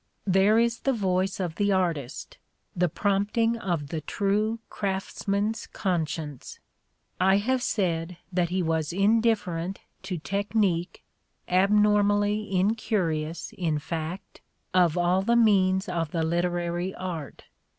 There is the voice of the artist, the prompting of the true craftsman's conscience. I have said that he was indifferent to technique, abnor mally incurious, in fact, of all the means of the literary art.